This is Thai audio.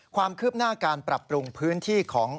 ความคืบหน้าการปรับปรุงพื้นที่ของ